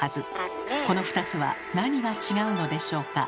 この２つは何が違うのでしょうか？